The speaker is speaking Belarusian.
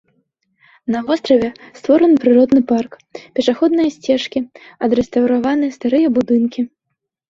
На востраве створаны прыродны парк, пешаходныя сцежкі, адрэстаўраваны старыя будынкі.